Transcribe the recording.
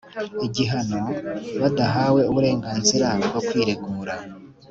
igihano badahawe uburenganzira bwo kwiregura.